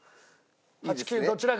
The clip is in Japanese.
８９どちらか。